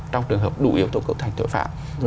trong trường hợp đủ yếu tố cấu thành tội phạm